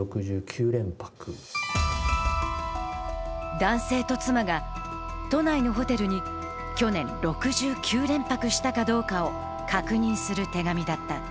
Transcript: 男性と妻が都内のホテルに去年、６９連泊したかどうかを確認する手紙だった。